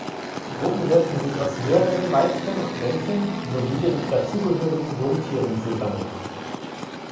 Gruppen setzen sich aus mehreren Weibchen und Männchen sowie den dazugehörigen Jungtieren zusammen.